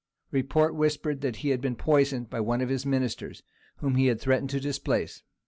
Report whispered that he had been poisoned by one of his ministers, whom he had threatened to displace.